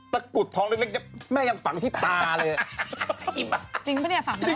ตะกุดท้องเล็กแม่ยังฝังที่ตาเลย